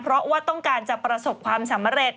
เพราะว่าต้องการจะประสบความสำเร็จ